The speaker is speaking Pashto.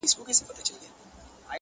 ورځي د وريځي يارانه مــاتـه كـړه.